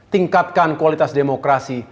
tingkatkan kualitas demokrasi